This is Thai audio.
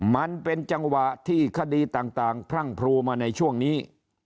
มันเป็นจังหวะที่คดีต่างพรั่งพรูมาในช่วงนี้